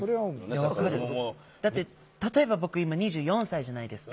だって例えば僕今２４歳じゃないですか。